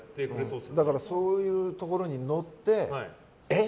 そういうところに乗ってえっ？